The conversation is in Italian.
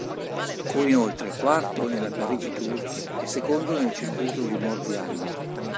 Fu inoltre quarto nella Parigi-Tours e secondo nel Circuito di Morbihan.